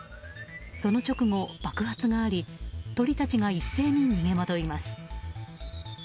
その直後、爆発があり鳥たちが一斉に逃げまどいます。